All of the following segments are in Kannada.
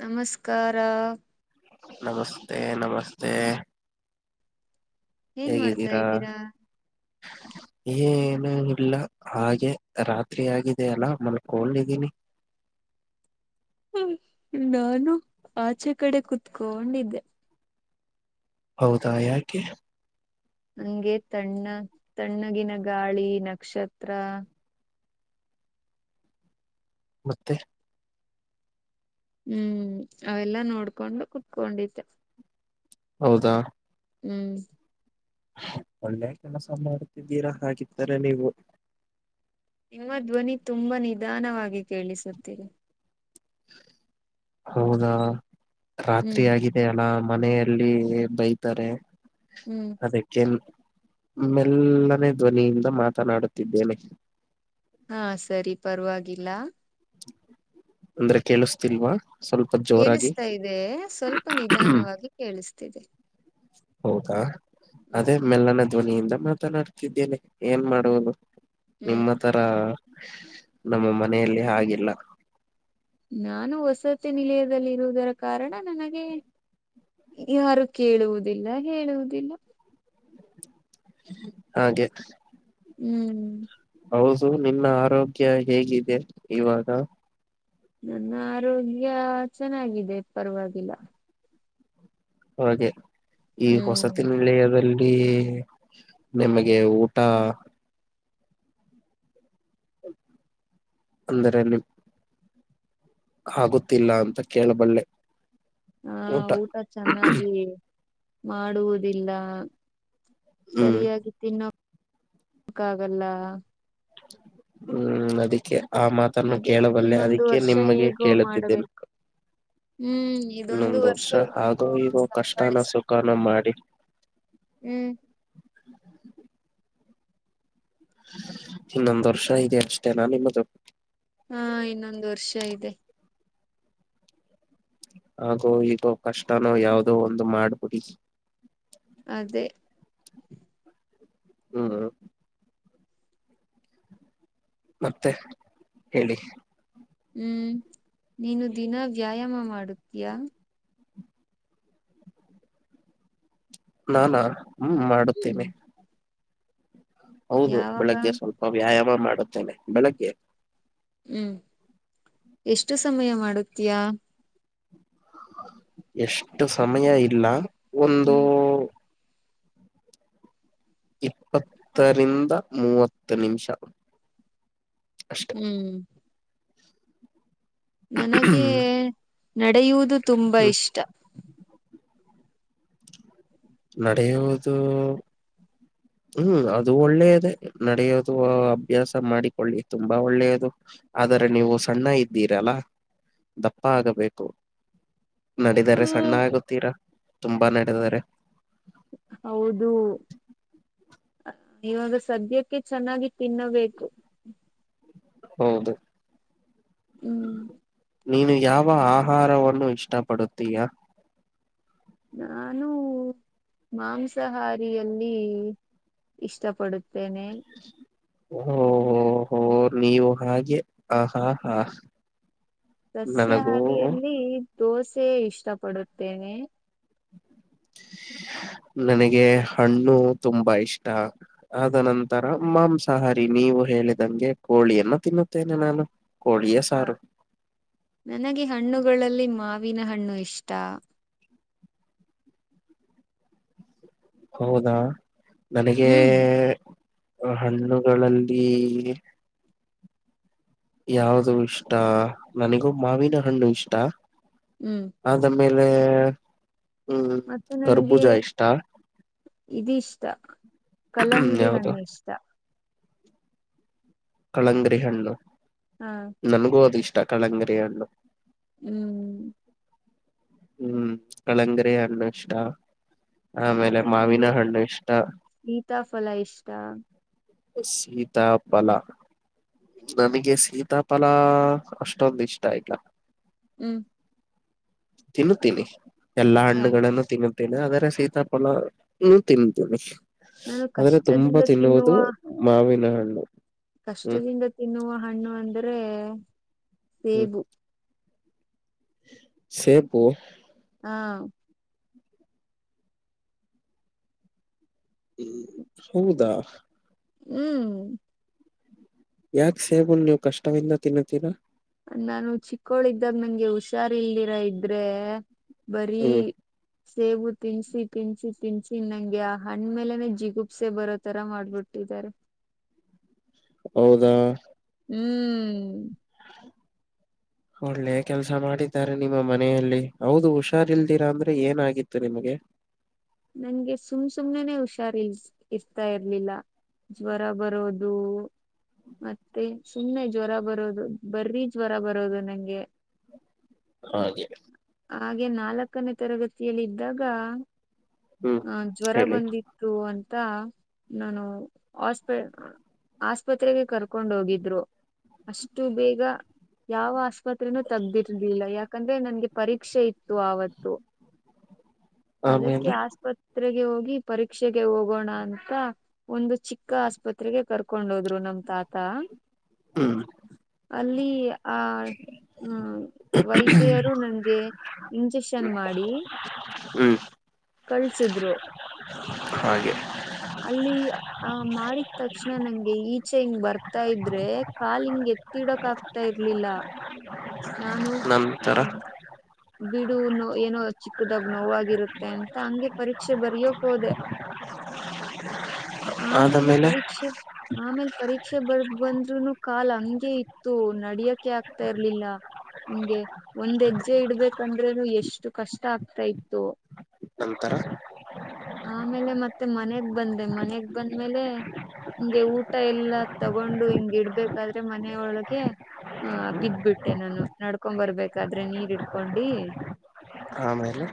ನಮಸ್ಕಾರ ನಮಸ್ತೆ ನಮಸ್ತೆ ಏನ್ ಮಾಡ್ತಾ ಇದ್ದೀರಾ ಹ ಏ ಏನ ಇಲ್ಲ ಹಾಗೆ ರಾತ್ರಿ ಆಗಿದ ಅಲ್ಲಾ ಮಲ್ಕೋಲ್ದ್ದೀನಿ ಹ ನಾನು ಆಚೆ ಕಡೆ ಕುೂತ್ಕೊಂಡಿದ್ದೆ ಹೌದಾ ಯಾಕೆ ಹಂಗೆ ತಣ್ಣ ತಣ್ಣಗಿನ ಗಾಳಿ ನಕ್ಷತ್ರ ಮತ್ತೆ ಹ್ಮ್ ಅವೆಲ್ಲಾ ನೋಡ್ಕೊಂಡು ಕುತ್ಕೊಂಡಿದ್ದೆ ಹೌದಾ ಹ್ಮ್ ಒಳ್ಳೆ ಕೆಲಸ ಮಾಡ್ತಿದ್ದೀರಾ ಹಾಗಿದ್ದರ ನೀವು ನಿಮ್ಮ ಧ್ವನಿ ತುಂಬಾ ನಿಧಾನವಾಗಿ ಕೇಳಿಸುತ್ತೀರಿ ಹೌದಾ ರಾತ್ರಿ ಹ್ಮ್ ಆಗಿದೆ ಅಲಾಮ್ ಮನೆಯಲ್ಲಿ ಬೈತಾರೆ ಹ್ಮ್ ಅದಕ್ಕೆ ಮ್ಮೆಲ್ಲನೇ ಧ್ವನಿಯಿಂದ ಮಾತನಾಡುತ್ತಿದ್ದೇನೆ ಹಾ ಸರಿ ಪರವಾಗಿವಾಗಿಲ್ಲ ಅಂದ್ರೆ ಕೆೇಳಿಸತಿಲ್ವಾ ಕೇಳಿಸ್ತಾ ಇದೆ ಸ್ವಲ್ಪ ನಿಧಾನವಾಗಿ ಕೇಳಿಸ್ತಿದೆ ಹೌದಾ ಹ್ಮ್ ಅದೇ ಮೇಲನ ಧ್ವನಿಯಿಂದ ಮಾತನಾಡ್ತಿದ್ದೇನೆ ಏನ್ ಮಾಡುವುದು ಹ್ಮ್ ನಿಮ್ಮ ತರ ನಮ್ಮ ಮನೆಯಲ್ಲಿ ಹಿಲ್ಲ ನಾನು ವಸತಿ ನಿಲಯದಲ್ಲಿರುವುದರ ಕಾರಣ ನನಗೆ ಯಾರು ಕೇಳುವುದಿಲ್ಲ ಹೇಳುವುದಿಲ್ಲ ಹಾಗೆ ಹ್ಮ್ ಹೌದು ನಿನ್ನ ಆರೋಗ್ಯ ಹೇಗಿದೆ ಇವಾಗ ನನ್ನ ಆರೋಗ್ಯ ಚೆನ್ನಾಗಿದೆ ಪರವಾಗಿಲ್ಲ ಹಾಗೆ ಈ ಹೊಸ ಹ್ಮ್ ತಿಿನಲೆಯದಲ್ಲಿ ಲ್ಲಿ ನಿಮಗೆ ಊಟ ಅಂದರೆಲ್ಲಿ ಆಗುತ್ತಿಲ್ಲ ಅಂತ ಕೇಳಬಳ್ಳೆ ಹಾ ಊಟ ಚೆನ್ನಾಗಿ ಮಾಡುವುದಿಲ್ಲ ಹ್ಮ್ ಸರಿಯಾಗಿ ತಿನ್ನೋಕ್ಕ ಆಾಗಲ್ಲ ಹ್ಮ್ ಅದಿಕ್ಕೆ ಆ ಮಾತನ್ನು ಹಾಗೆ ಕೇಳಬಲ್ಲೆ ಇನ್ನೊಂದು ಅದಕ್ಕೆ ವರ್ಷ ನಿಮಗೆ ಹೇಗೋ ಕೇಳುತ್ತಿದ್ದೇನೆ ಮಾಡಬೇಕು ಹ್ಮ್ ಇದೊಂದು ಇನ್ನೊಂದ್ ವರ್ಷ ಹೇಗೋ ಹಾಗೋ ಇವೋ ಕಷ್ಟನ ಸಂಭಾಳಿಸಬೇಕು ಸುಖನ ಮಾಡಿ ಹ್ಮ್ ಇನ್ನೊಂದು ವರ್ಷ ಇದ ಅಷ್ಟೇ ನಾನ ನಿಮ್ಮದ ಹಾ ಇನ್ನೊಂದು ವರ್ಷ ಇದೆ ಹಾಗು ಈಗ ಕಷ್ಟನೋ ಯಾವ್ದೋ ಒಂದು ಮಾಡ್ಬಿಡಿ ಅದೇ ಹ್ಮ್ ಹ್ಮ ಮತ್ತೆ ಹೇಳಿ ಹ್ಮ ನೀನು ದಿನ ವ್ಯಾಯಾಮ ಮಾಡತೀಯಾ ನಾನಾ ಹ್ಮ ಹ್ಮ್ ಮಾಡುತ್ತೇನೆ ಹೌದು ಯಾವಾಗ ಬೆಳಗ್ಗೆ ಸ್ವಲ್ಪ ವ್ಯಾಯಾಮ ಮಾಡುತ್ತೇನೆ ಬೆಳಗ್ಗೆ ಹ್ಮ್ ಎಷ್ಟು ಸಮಯ ಮಾಡುತ್ತೀಯಾ ಎಷ್ಟು ಸಮಯ ಇಲ್ಲ ಒಂದು ಹ್ಮ್ ಇಪ್ಪತ್ತರಿಂದ ಮೂವತ್ತು ನಿಮಿಷ ಅಷ್ಟೆ ಹ್ಮ್ ನನಗೆ ಹ್ಮ್ ನಡೆಯುವುದು ತುಂಬಾ ಇಷ್ಟ ನಡೆಯುವುದು ಹ್ಮ್ ಅದು ಒಳ್ಳೇದೆ ನಡೆಯೋದು ಅಭ್ಯಾಸ ಮಾಡಿಕೊಳ್ಳಿ ತುಂಬಾ ಒಳ್ಳೇದು ಆದರೆ ನೀವು ಸಣ್ಣ ಇದ್ದೀರಲ್ಲ ದಪ್ಪ ಆಗಬೇಕು ನಡಿದರೆ ಸಣ್ಣ ಆಗತೀರಾ ತುಂಬಾ ನಡೆದಾರೆ ಹೌದು ಇವಾಗ ಸದ್ಯಕ್ಕೆ ಚೆನ್ನಾಗಿ ತಿನ್ನಬೇಕು ಹೌದು ಹ್ಮ್ ನೀನು ಯಾವ ಆಹಾರವನ್ನು ಇಷ್ಟ ಪಡತೀಯಾ ನಾನು ಮಾಂಸಹಾರಿಯಲ್ಲಿ ಇಷ್ಟಪಡುತ್ತೇನೆ ಓಹೋ ಹೋ ನೀವು ಹಾಗೆ ಹ ಹಾ ಹಾ ನನಗೂ ಸಸ್ಯಾಹಾರಿಯಲ್ಲಿ ದೋಸೆ ಇಷ್ಟಪಡುತ್ತೇನೆ ನನಗೆ ಹಣ್ಣು ತುಂಬಾ ಇಷ್ಟ ಅ ನಂತರ ಮಾಂಸಾಹಾರಿ ನೀವು ಹೇಳಿದಂಗೆ ಕೋಳಿಯನ್ನ ತಿನ್ನುತ್ತೇನೆ ನಾನು ಕೋಳಿಯ ಹಾ ಸಾರು ನನಗೆ ಹಣ್ಣುಗಳಲ್ಲಿ ಮಾತ್ರ ವಿನ ಹಣ್ಣು ಇಷ್ಟ ಹೌದಾ ನನಗೆ ಹ್ಮ್ ಆ ಹಣ್ಣುಗಳಲ್ಲಿ ಯಾವ್ದು ಇಷ್ಟ ನನಿಗೂ ಮಾವಿನ ಹಣ್ಣು ಇಷ್ಟ ಹ್ಮ್ ಆಮೇಲೆ ಹ್ಮ ಗರ್ಬೂಜ ಇಷ್ಟ ಇದಿಷ್ಟ ಕಲಂಗಡಿ ಯಾವುದು ಹಣ್ಣು ಇಷ್ಟ ಕಳಂಗರಿ ಹಣ್ಣು ಹ ನನ್ಗೂ ಅದ ಇಷ್ಟ ಕಳಂಗರಿ ಹಣ್ಣು ಹ್ಮ್ ಹ್ಮ್ ಕಳಂಗರಿ ಅ್ಣ ಇಷ್ಟ ಆಮೇಲೆ ಮತ್ತೆ ಮಾವಿನ ನಂಗೆ ಹಣ್ಣು ಇಷ್ಟ ಸೀತಾಫಲ ಇಷ್ಟ ಸೀತಾಪಲ ನನಗೆ ಸೀತಾಫಲಾ ಅಷ್ಟೊಂದ ಇಷ್ಟ ಇಲ್ಲ ಹ್ಮ್ ತಿನ್ನುತ್ತೀನಿ ಎಲ್ಲಾ ಹಾ ಹಣ್ಣುಗಳನ್ನು ತಿನ್ನು ಟ್ಟೇ ಆದ್ರ ಸೀತಾಪಳನು ತಿಂತೀನಿ ನಾನು ಆದ್ರೆ ತುಂಬಾ ಕಷ್ಟದಿಂದ ತಿನ್ನುವ ತಿನ್ನುವುದು ಹಾವಿನ ಹಣ್ಣು ಹ್ಮ್ ಕಷ್ಟದಿಂದ ತಿನ್ನುವ ಹಣ್ಣು ಅಂದ್ರೆ ಸೇಬು ಸೇಪು ಹಾ ಹ್ಮ ಹೌದಾ ಹ್ಮ್ ಯಾಕ್ ಸೇಬಲ್ ನೀ್ ಕಷ್ಟವಿಂದ ತಿನ್ನುತ್ತೀರಾ ಇಲ್ದರ ಇದ್ರೆ ಬರೀ ಹ್ಮ್ ಸೇಬು ತಿನ್ಸಿ ತಿನ್ಸಿ ತಿನ್ಸಿ ನಂಗೆ ಆ ಹಣ್್ಮೇಲೆನೆ ಜಿಗುಪ್ಸೆ ಬರೋ ತರ ಮಾಡ್ಬಿಟ್ಟಿ ಹಾರೆ [unintelligible] ಹೌದಾ ಹ್ಮ್ [unintelligible] ಒಳ್ಳೆ ಕೆಲ್ಸ ಮಾಡಿದ್ದಾರೆ ನಿಮ್ಮ ಮನೆಯಲ್ಲಿ ಹೌದು ಹುಷಾರ್ಲ್ದಿರಾ ಅಂದ್ರೆ ಏನಾಗಿತ್ತು ನಿಮ್ಗೆ [inaudible] ನನ್ಗೆ ಸುಮ್ ಸುಮ್ನೆನೆ ಹುಷಾರ್ ಇಲ್ ಇರ್ತಾ ಇರ್ಲಿಲ್ಲ ಜ್ವರ ಬರೋದು ಮತ್ತೆ ಸುಮ್ಮ್ನೆ ಜ್ವರ ಬರೋದು ಬರ್ರಿ ಜ್ವರ ಬರೋದು ನಂಗೆ ಹ ಹಾಗೆ ನಾಲ್ಕನೇ ತರಗತಿಯಲ್ಲ ಇದ್ದಾಗ ಹ್ಮ್ ಆ ಜ್ವರ ಹೇಳಿ ಬಂದಿತ್ತು ಅಂತ ನಾನು ಆಸ್ಪೆ ಆಸ್ಪತ್ರೆಗೆ ಕರ್ಕೊಂಡ ಹೋಗಿದ್ರು ಅಷ್ಟು ಬೇಗ ಯಾವ ಆಸ್ಪತ್ರನೂ ತಗ್ದಿರ್ಲಿಲ್ಲ ಯಾಕಂದ್ರೆ ನನ್ಗೆ ಪರೀಕ್ಷೆ ಇತ್ತು ಆವತ್ತು ಹ ಹ ಕೆ ಆಸಪ ತ್ರೆಗೆ ಹೋಗಿ ಪರೀಕ್ಷೆಗೆ ಹೋಗೋಣ ಅಂತ ಒಂದು ಚಿಕ್ಕ ಆಸ್ಪತ್ರೆಗೆ ಕರ್ಕೊಂಡು ಹೋದ್ರು ನಮ ತಾತ ಹ್ಮ್ ಅಲ್ಲಿ ಆ ಹ್ಮ ವೈದ್ಯರು ನಂಗೆ ಇಂಜೆಕ್ಷನ್ ಮಾಡಿ ಹ್ಮ್ ಕಳ್ಸಿದ್ರು ಹಾಗೆ ಅಲ್ಲಿ ಆ ಮಾಡಿದ ತಕ್ಷಣ ನಂಗೆ ಈಚೆ ಹಿಂಗ್ ಬರ್ತಾ ಇದ್ರೆ ಕಾಲಿಂಗಗೆ ತಿಡೋಕ್ ಆಗ್ತಾ ಇರ್ಲಿಲ್ಲ ನಾನು ಆ ನಂತರ ಬಿಡು ನೋ ಏನೋ ಚಿಕ್ಕದಾಗ ನೋವಾಗಿರುತ್ತೆ ಅಂತ ಹಂಗೆ ಪರೀಕ್ಷೆ ಬರಿಯೋಕ್ೋದೆ [inaudible] ಆಮೇಲೆ ಆದಮೇಲೆ ಪರೀಕ್ಷೆ ಆಮೇಲ್ ಪರೀಕ್ಷೆ ಬರ್ದ ಬಂದ್ರುನು ಕಾಲ್ ಹಂಗೆ ಇತ್ತು ನಡಿಯಕೆ ಆಗ್ತಾ ಇರ್ಲಿಲ್ಲ ನಿಂಗೆ ಒಂದ್ ಹೆಜ್ಜೆ ಇಡ್ಬೇಕಂದ್ರೇನು ಎಷ್ಟು ಕಷ್ಟ ಆಗ್ತಾ ಇತ್ತು ನಂತರ ಆಮೇಲೆ ಮತ್ತೆ ಮನದ ಬಂದೆ ಮನಯಗ್ ಬಂದ್ಮೇಲೆ ಹಿಂಗೆ ಊಟ ಎಲ್ಲಾ ತಗೊಂಡು ಹಿಂಗ ಇಡ್ಬೇಕಾದ್ರೆ ಮನೆಯ ಒಳಗೆ ಹಾ ಬಿದ್ಬಿಟ್ಟೆ ನಾನು ನಡ್ಕೊಂಡ್ ಬರ್ಬೇಕಾದ್ರೆ ನೀರ್ ಇಡ್ಕೊಂಡಿ ಆಮೇಲೆ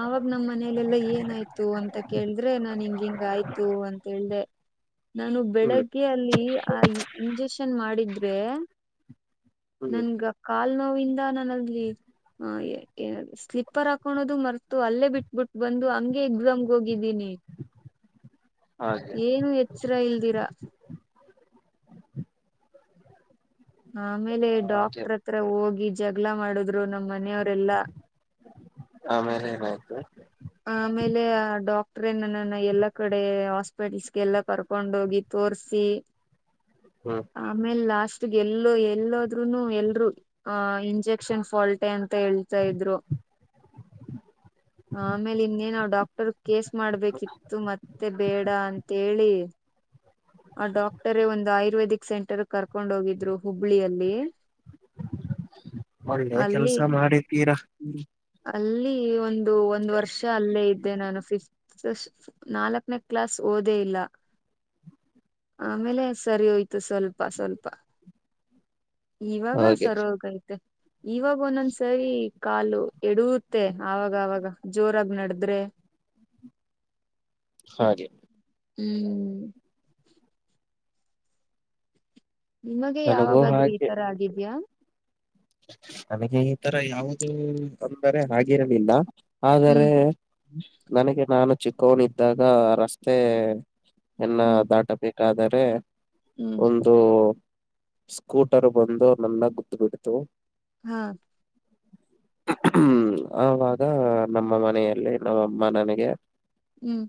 ಆವಾಗ ನಮ್ಮ್ ಮನಲೆೆಲ್ಲಾ ಏನಾಯ್ತು ಅಂತ ಕೇಳಿದ್ರೆ ನಾನ್ ಹಿಂಗ ಹಿಂಗ ಆಯ್ತು ಅಂತ ಹೇಳ್ದೆ ನಾನು ಹ್ಮ್ ಬೆಳಗ್ಗೆ ಅಲ್ಲಿ ಆ ಇಂಜೆಕ್ಷನ್ ಮಾಡಿದ್ರೆ ಹ್ಮ್ ನನ್ಗ ಕಾಲ್ ನೋವಿಂದ ನನಲ್ಲಿ ಹ ಸ್ಲಿಪರ್ ಹಾಕೋಳೋದು ಮರ್ತು ಅಲ್ಲೇ ಬಿಟ್ಬ ಬಿಟ್ ಬಂದು ಅಮ ಎಕ್ಸಾಮ್ಗೆ ಹೋಗಿದ್ದೀನಿ ಹಾಗೆ ಏನು ಎಚ್ಚರ ಇಲ್ದಿರಾ ಆಮೇಲೆ ಹಾಗೆ ಡಾಕ್ಟರ್ ಹತ್ರ ಹೋಗಿ ಜಗ್ಗಳ ಮಾಡುದ್ರು ನಮ್ಮ್ ಮನೆಯವರೆಲ್ಲಾ ಆಮೇಲೆ ಏನಾಯ್ತು ಆಮೇಲೆ ಡಾಕ್ಟ್ರೇ ನನ್ನನ್ನ ಎಲ್ಲಾ ಕಡೆ ಹಾಸ್ಪಿಟಲ್ಸ್ಗೆಲ್ಲಾ ಕರ್ಕೊಂಡ ಹೋಗಿತ್ತು ತೋರ್ಸಿ ಹ್ಮ ಆಮೇಲ್ ಲಾಸ್ಟ್ಗೆ ಎಲ್ಲೋ ಎಲ್ಲಾದ್ೂನು ಎಲ್ರು ಆ ಇಂಜೆಕ್ಷನ್ ಫಾಲ್ಟೆ ಅಂತ ಹೇಳ ಹೇಳ್ತಾ ಇದ್ರು [inaudible] ಆಮೇಲೆ ಇನ್ನೇನಾವ್ ಡಾಕ್ಟರ್ ಕೇಸ್ ಮಾಡ್ಬೇಕಿತ್ತು ಮತ್ತೆ ಬೇಡ ಅಂತ ಹೇಳಿ ಆ ಡಾಕ್ಟರೇ ಒಂದು ಆಯುರ್ವೇದಿಕ್ ಸೆಂಟರ್ ಕರ್ಕೊಂಡ್ ಹೋಗಿದ್ರು ಹುಬ್ಳಿಯಲ್ಲಿ ಹ ಒಳ್ಳೆ ಕೆಲ್ಸ ಅಲ್ಲಿ ಮಾಡಿತೀರಾ ಅಲ್ಲಿ ಒಂದು ಒಂದ್ ವರ್ಷ ಅಲ್ಲೇ ಇದ್ದೆ ನಾನು ಫಿಫತ್ ನಾಲ್ಕನೇ ಕ್ಲಾಸ್ ಓದೇ ಇಲ್ಲ ಆಮೇಲೆ ಸರಿ ಹೋಯ್ತು ಸ್ವಲ್ಪ ಸ್ವಲ್ಪ ಇವಾಗ ಹಾಗೆ ಸರ ಹೋಗೈತೆ ಇವಾಗ ಒಂದೊಂದ್ಸರಿ ಕಾಲು ಎಡೂತ್ತೆ ಆವಾಗವಾಗ ಜೋರಾಗಿ ನಡದ್ರೆ ಹಾಗೆ ಹ್ಮ್ ನಿಮಗೆ ನನಗೂ ಯಾವಾಗಾದ್ರೂ ಈ ಹಾಗೆ ತರ ಆಗಿದ್ಯಾ ನನಗೆ ಈ ತರ ಯಾವುದು ಅಂದರೆ ಆಗಿರಲಿಲ್ಲ ಆದರೆ ಹ್ಮ್ ನನಗೆ ನಾನು ಚಿಕ್ಕವನಿದ್ದಾಗ ರಸ್ತೆ ಎನ್ನ ಹ್ಮ್ ದಾಟಬೇಕಾದರೆ ಹ್ಮ್ ಒಂದು ಸ್ಕೂಟರ್ ಬಂದು ನನ್ನ ಗುದ್ ಬಿಡ್ತು ಹಾ ಹ್ಮ್ ಆವಾಗ ನಮ್ಮ ಮನೆಯಲ್ಲಿ ನಮ್ಮಮ್ಮ ನನಗೆ ಹ್ಮ್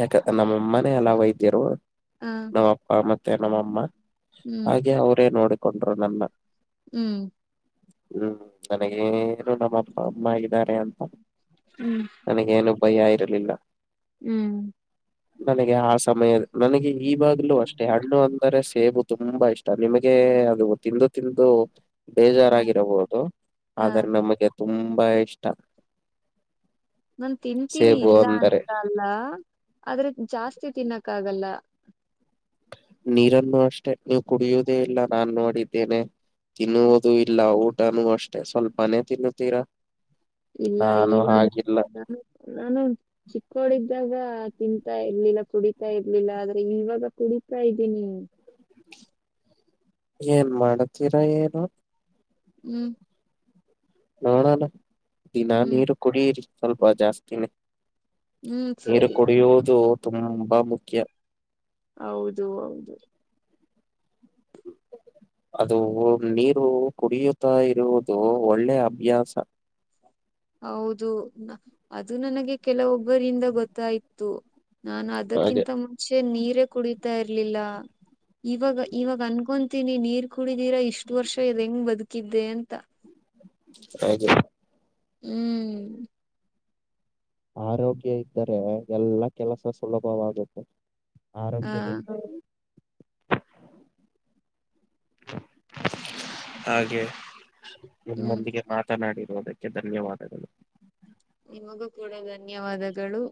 ಯಾಕಂದ ನಮ್ಮಮ್ಮನೇ ಎಲ್ಲ ವೈದ್ಯರು ಹ ನಮ್ಮ ಅಪ್ಪ ಮತ್ತೆ ನಮ್ಮಮ್ಮ ಹ್ಮ್ ಹಾಗೆ ಅವ್ರೇ ನೋಡಿಕೊಂಡರು ನನ್ನ ಹ್ಮ್ ಹ್ಮ್ ನಗೇನು ನಮ್ಮ ಅಪ್ಪ ಅಮ್ಮ ಇದರೆ ಅಂತ ನನಗೇನು ಭಯ ಇರಲಿಲ್ಲ ಹ್ಮ್ ನನಗೆ ಆ ಸಮಯ ನನಗೆ ಈವಾಗ್ಲು ಹ್ಮ್ ಅಷ್ಟೆ ಹಣ್ಣು ಅಂದರೆ ಸೇಬು ತುಂಬಾ ಇಷ್ಟ ನಿಮಗೆ ಅದು ತಿಂದು ತಿಂದು ಹ ಬೇಜಾರಾಗಿರಬಹುದು ಹ ಆದ್ರೆ ನಮಗೆ ತುಂಬಾ ಇಷ್ಟ ನನ್ ತಿಂತೀನಿ ಸೇಬು ಇಲ್ಲ ಅಂದರೆ ಅಂತ ಅಲ್ಲ ಆದ್ರೆ ಜಾಸ್ತಿ ತಿನ್ನಕ್ಕ ಆಗಲ್ಲ ನೀರನ್ನು ಅಷ್ಟೆ ನೀವು ಕುಡಿಯುವುದೇ ಇಲ್ಲ ನಾನ್ ನೋಡಿದ್ದೇನೆ ತಿನ್ನುವುದು ಇಲ್ಲ ಊಟನೂ ಅಷ್ಟೇ ಸ್ವಲ್ಪನೇ ತಿನ್ನುತ್ತೀರಾ ಇಲ್ಲ ನಾನು ಈಗ ಹಾಗಿಲ್ಲ ನಾನು ಚಿಕ್ಕವಳಿದ್ದಾಗ ತಿಂತಾ ಇರ್ಲಿಲ್ಲ ಕುಡಿತಾ ಇರ್ಲಿಲ್ಲ ಆದ್ರೆ ಇವಾಗ ಕುಡತಾ ಇದ್ದೀನಿ ಏನ್ ಮಾಡತೀರಾ ಏನು ಹ್ಮ್ ನೋಡೋಣ ದಿನಾ ಹ್ಮ್ ನೀರು ಕುಡಿಯರಿ ಸ್ವಲ್ಪ ಜಾಸ್ತಿನೇ ಹ್ಮ್ ನೀರು ಸರಿ ಕುಡಿಯುವುದು ತುಂಬಾ ಮುಖ್ಯ ಹೌದು ಹೌದು ಹ ಅದು ನೀರು ಕುಡಿಯುತ್ತಾ ಇರುವುದು ಒಳ್ಳೆ ಅಭ್ಯಾಸ ಹ್ಮ್ ಹೌದು ಅದು ನನಗೆ ಕೆಲವೊಬ್ಬರಿಂದ ಗೊತ್ತಾಯ್ತ್ತುು ನಾನು ಹಾಗೆ ಅದಕ್ಕಿಂತ ಮುಂಚೆ ನೀರೇ ಕುಡಿತಾ ಇರ್ಲಿಲ್ಲ ಇವಾಗ ಇವಾಗ ಅನ್ಕೊಂತೀನಿ ನೀರ್ ಕುಡಿದಿರಾ ಇಷ್ಟು ವರ್ಷ ಇ ಹೆಂಗ್ ಬದುಕಿದ್ದೆ ಅಂತ ಹಾಗೆ ಹ್ಮ್ ಆರೋಗ್ಯ ಇದ್ದರೆ ಎಲ್ಲಾ ಕೆಲಸ ಸುಲಭವಾಗುತ್ತುದು ಹ ಆರೋಗ್ಯದಿಂದ ಹಾಗೆ ಹ್ಮ್ ನಿಮ್ಮೊಂದಿಗೆ ಮಾತನಾಡಿ ದಕ್ಕೆ ಧನ್ಯವಾದಗಳು ನಿಮಗೂ ಕೂಡ ಧನ್ಯವಾದಗಳು